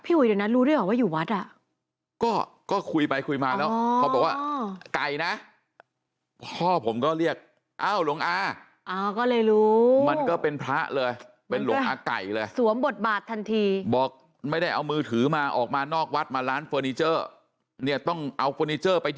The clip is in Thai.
โทรหาผมเลยโอนให้หน่อยใช่ไหม